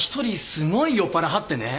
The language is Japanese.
すごい酔っぱらはってね。